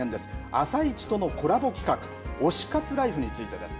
あさイチとのコラボ企画、推し活ライフについてです。